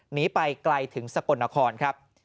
หนีไปไกลถึงสกลนครครับ